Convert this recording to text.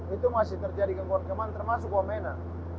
itu masih terjadi gangguan keamanan termasuk womena